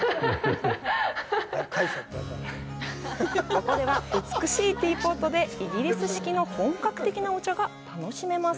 ここでは、美しいティーポットでイギリス式の本格的なお茶が楽しめます。